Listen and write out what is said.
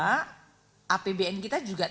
pertama apakah anggaran ini akan menyebabkan